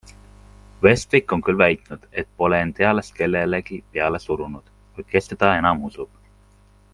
Westwick on küll väitnud, et pole end eales kellelegi peale surunud, kuid kes teda enam usub.